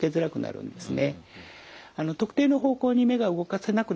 そうですね。